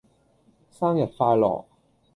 生日快樂